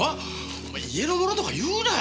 お前家の者とか言うなよ！